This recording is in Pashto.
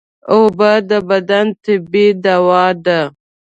اوبه د بدن طبیعي دوا ده